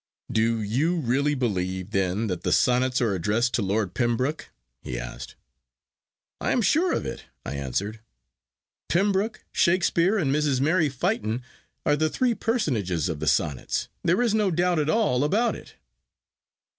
'Do you really believe then that the sonnets are addressed to Lord Pembroke?' he asked. 'I am sure of it,' I answered. 'Pembroke, Shakespeare, and Mrs. Mary Fitton are the three personages of the Sonnets; there is no doubt at all about it.